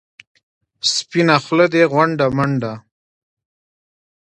سپینه خوله دې غونډه منډه.